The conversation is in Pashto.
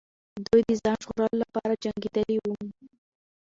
دوی د ځان ژغورلو لپاره جنګېدلې وو.